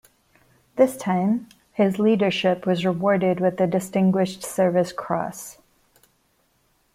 This time, his leadership was rewarded with the Distinguished Service Cross.